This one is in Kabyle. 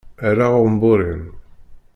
Err aɣenbur-im.